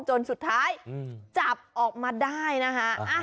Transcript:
จนสุดท้ายจับออกมาได้นะคะ